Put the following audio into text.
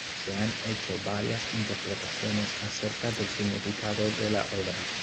Se han hecho varias interpretaciones acerca del significado de la obra.